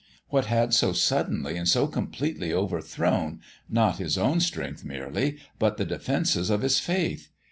What had so suddenly and so completely overthrown, not his own strength merely, but the defences of his faith?